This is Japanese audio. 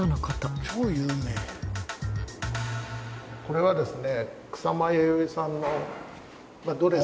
これはですね。